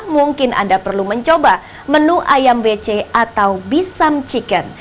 mungkin anda perlu mencoba menu ayam bc atau bisam chicken